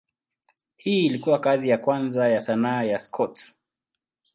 Hii ilikuwa kazi ya kwanza ya sanaa ya Scott.